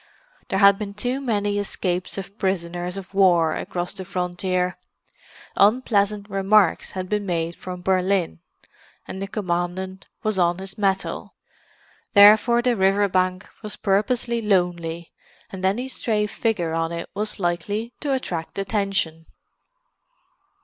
There had been too many escapes of prisoners of war across the frontier; unpleasant remarks had been made from Berlin, and the Commandant was on his mettle. Therefore the river bank was purposely lonely, and any stray figure on it was likely to attract attention.